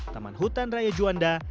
taman hutan raya juanda